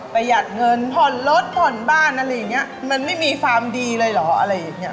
หยัดเงินผ่อนรถผ่อนบ้านอะไรอย่างเงี้ยมันไม่มีฟาร์มดีเลยเหรออะไรอย่างเงี้